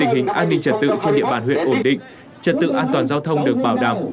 tình hình an ninh trật tự trên địa bàn huyện ổn định trật tự an toàn giao thông được bảo đảm